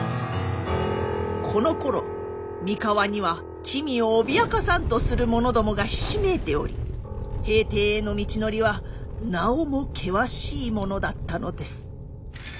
このころ三河には君を脅かさんとする者どもがひしめいており平定への道のりはなおも険しいものだったのです。